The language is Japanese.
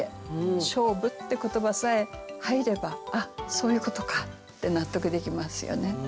「勝負」って言葉さえ入れば「あっそういうことか」って納得できますよね。